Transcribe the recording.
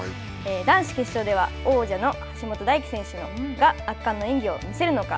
男子決勝では王者の橋本大輝選手が圧巻の演技を見せるのか。